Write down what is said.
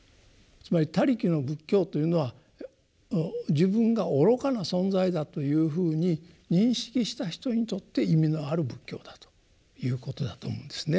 つまり「他力」の仏教というのは自分が愚かな存在だというふうに認識した人にとって意味のある仏教だということだと思うんですね。